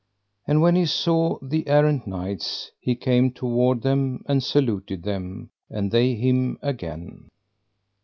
And when he saw the errant knights he came toward them and saluted them, and they him again.